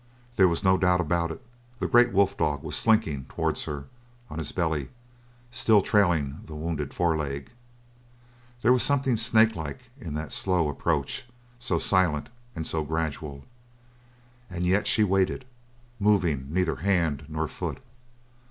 There was no doubt about it! The great wolf dog was slinking towards her on his belly, still trailing the wounded foreleg. There was something snakelike in that slow approach, so silent and so gradual. And yet she waited, moving neither hand nor foot.